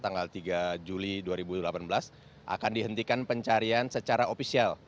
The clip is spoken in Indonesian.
tanggal tiga juli dua ribu delapan belas akan dihentikan pencarian secara ofisial